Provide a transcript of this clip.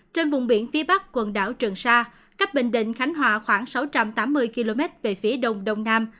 trên vùng biển phía bắc quần đảo trường sa cách bình định khánh hòa khoảng sáu trăm tám mươi km về phía đông đông nam